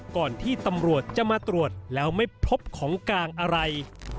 ก่อนที่ตำรวจจะมาตรวจแล้วไม่พบของกลางอะไร